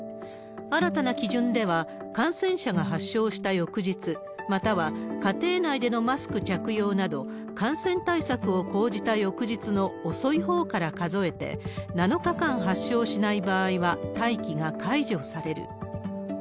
新たな基準では、感染者が発症した翌日、または家庭内でのマスク着用など、感染対策を講じた翌日の遅いほうから数えて７日間発症しない場合は待機が解除される。